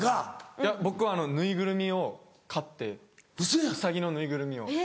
いや僕はぬいぐるみを買ってウサギのぬいぐるみを。